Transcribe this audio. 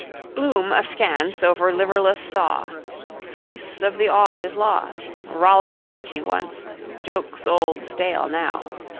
Bloom askance over liverless saw. Face of the all is lost. Rollicking Richie once. Jokes old stale now.